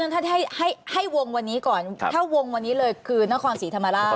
ถ้าให้วงวันนี้ก่อนถ้าวงวันนี้เลยคือนครศรีธรรมราช